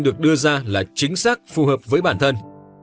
được đưa ra là chính xác phù hợp với bản thân